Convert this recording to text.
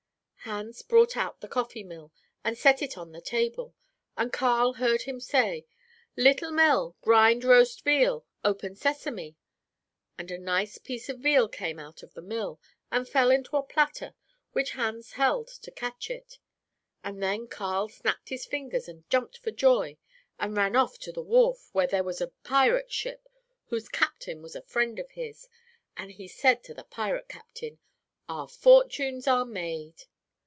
"Hans brought out the coffee mill, and set it on the table, and Carl heard him say, 'Little mill, grind roast veal, open sesame,' and a nice piece of veal came out of the mill, and fell into a platter which Hans held to catch it, and then Carl snapped his fingers and jumped for joy, and ran off to the wharf, where there was a pirate ship whose captain was a friend of his, and he said to the pirate captain, 'Our fortunes are made.'